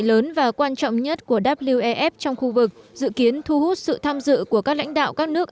lớn và quan trọng nhất của wef trong khu vực dự kiến thu hút sự tham dự của các lãnh đạo các nước